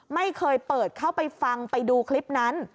ไม่เคยเปิดเข้าไปฟังไปดูคลิปนั้น